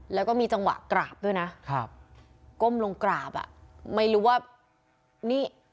แล้วก็มีจังหวะกราบด้วยนะครับก้มลงกราบอ่ะไม่รู้ว่านี่